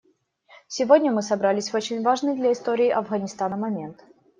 Сегодня мы собрались в очень важный для истории Афганистана момент.